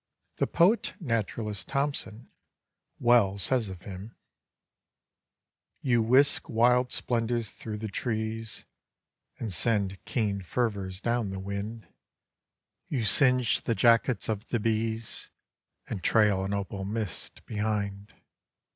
The poet naturalist, Thompson, well says of him: "You whisk wild splendors through the trees, And send keen fervors down the wind; You singe the jackets of the bees, And trail an opal mist behind.